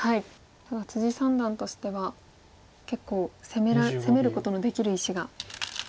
ただ三段としては結構攻めることのできる石が。